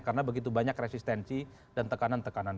karena begitu banyak resistensi dan tekanan tekanan